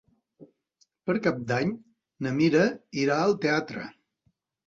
Per Cap d'Any na Mira irà al teatre.